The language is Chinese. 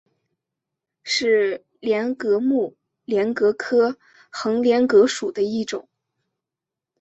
是帘蛤目帘蛤科横帘蛤属的一种。